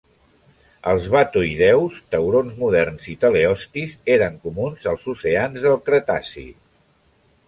Els batoïdeus, taurons moderns i teleostis eren comuns als oceans del Cretaci.